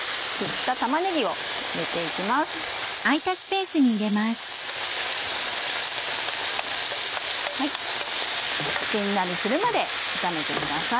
しんなりするまで炒めてください。